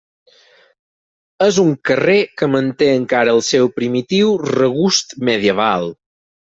És un carrer que manté encara el seu primitiu regust medieval.